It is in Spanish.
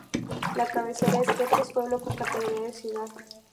La cabecera es Quepos, pueblo con categoría de ciudad.